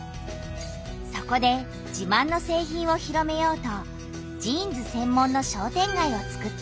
そこで自慢の製品を広めようとジーンズ専門の商店街をつくった。